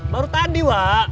baru tadi wak